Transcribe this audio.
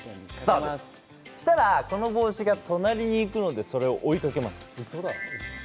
そうしたら、この帽子が隣にいくのでそれを追いかけます。